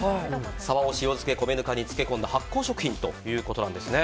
サバを塩漬け米ぬかに漬け込んだ発酵食品ということですね。